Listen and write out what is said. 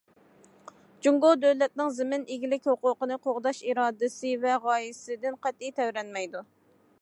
جۇڭگو دۆلەتنىڭ زېمىن ئىگىلىك ھوقۇقىنى قوغداش ئىرادىسى ۋە غايىسىدىن قەتئىي تەۋرەنمەيدۇ.